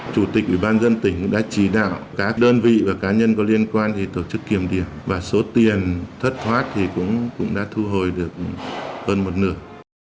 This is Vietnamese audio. chủ tịch ủy ban dân tỉnh đã chỉ đạo các đơn vị và cá nhân có liên quan thì tổ chức kiểm điểm và số tiền thất thoát thì cũng đã thu hồi được hơn một nửa